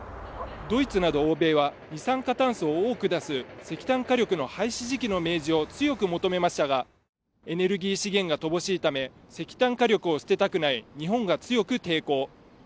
ドイツなど欧米は二酸化炭素を多く出す石炭火力の廃止時期の明示を強く求めましたが、エネルギー資源が乏しいため石炭火力を捨てたくない日本が強く抵抗。